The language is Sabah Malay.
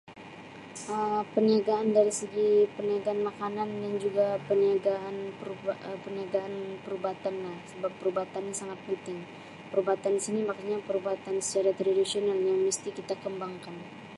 Um Perniagaan dari segi perniagaan makanan dan juga perniagaan peruba-[Um] perniagaan perubatan lah sebab perubatan ni sangat penting. Perubatan di sini maksudnya perubatan secara tradisional yang mesti kita kembangkan